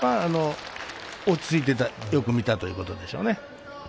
落ち着いてよく見たということでしょうね。